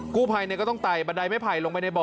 กู้ภัยก็ต้องไต่บันไดไม่ไผ่ลงไปในบ่อ